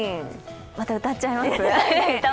また歌っちゃいます？